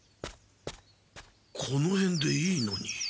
このへんでいいのに。